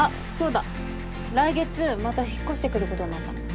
来月また引っ越してくることになったの。